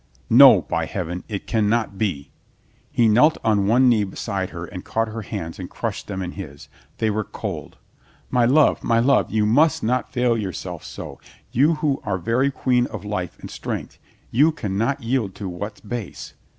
"No, by Heaven, it can not be!" He knelt on one knee beside her and caught her hands and crushed them in his. They were cold. "My love, my love, you must not fail yourself so, you who are very queen of life and strength, you can not yield to what's base.